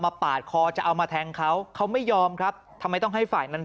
ปาดคอจะเอามาแทงเขาเขาไม่ยอมครับทำไมต้องให้ฝ่ายนั้น